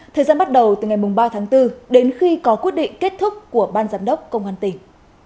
thời gian bắt đầu từ ngày ba tháng bốn đến khi có quyết định kết thúc của ban giám đốc công an tỉnh